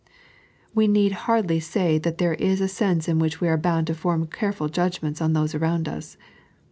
We need hardly say that there is a sense in which we are bound to form careful judgments on those around us.